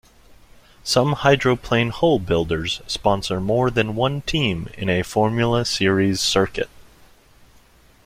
Some hydroplane hull builders sponsor more than one team in a formula series circuit.